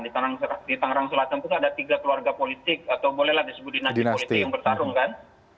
di tangerang selatan itu ada tiga keluarga politik atau bolehlah disebut dinasti politik yang bertarung kan